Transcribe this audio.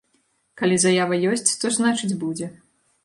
Калі заява ёсць, то значыць будзе.